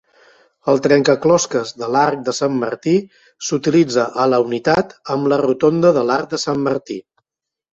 El trencaclosques de l'arc de Sant Martí s'utilitza a la unitat amb la rotonda de l'arc de Sant Martí.